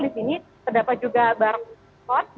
di sini terdapat juga barcode